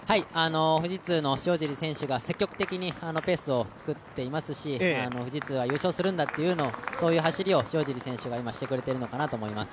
富士通の塩尻選手が積極的にペースを作っていますし富士通は優勝するんだという走りを塩尻選手が今してくれているのかなと思います。